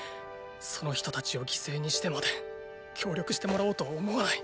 その人たちを犠牲にしてまで協力してもらおうとは思わない。